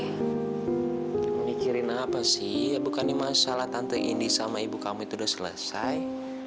mikirin apa sih bukan masalah tante indi sama ibu kamu itu udah selesai